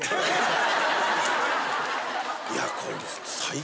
いやこれ。